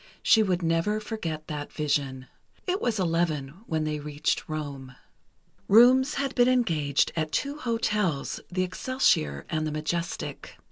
She would never forget that vision. It was eleven when they reached Rome. Rooms had been engaged at two hotels, the Excelsior and the Majestic.